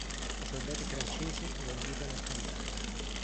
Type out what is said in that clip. I soldati francesi la invitano a cantare.